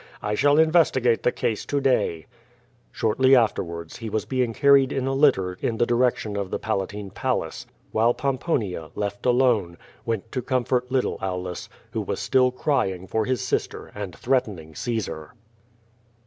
I shall investigate the case to day/^ Shortly afterwards he was being carried in a litter in the direction of the Palatine Palace, while Pomponia, left alone, went to comfort little Aulus, who was still crying for his sister and threatening Caesar.